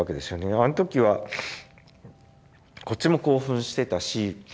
あのときはこっちも興奮してたし。